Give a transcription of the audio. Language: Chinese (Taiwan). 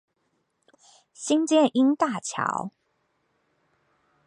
新箭瑛大橋